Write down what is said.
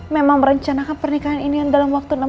memang merencanakan pernikahan ini dalam waktu enam bulan ini